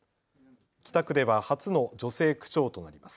北区では初の女性区長となります。